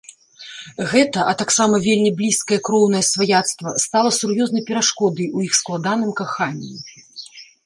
Гэта, а таксама вельмі блізкае кроўнае сваяцтва стала сур'ёзнай перашкодай у іх складаным каханні.